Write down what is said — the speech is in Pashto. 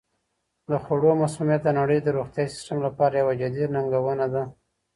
د خوړو مسمومیت د نړۍ د روغتیايي سیستم لپاره یوه جدي ننګونه ده.